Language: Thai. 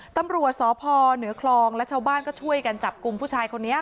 ตำรวจสพเหนือคลองและชาวบ้านช่วยอย่างกูมพี่ชายคนนี้